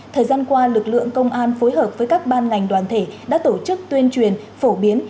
thời gian qua lực lượng công an phối hợp với các ban ngành đoàn thể đã tổ chức tuyên truyền phổ biến